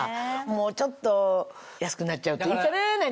もうちょっと安くなっちゃうといいかな！